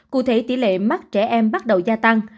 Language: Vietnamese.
cụ thể tỷ lệ mắc trẻ em bắt đầu gia tăng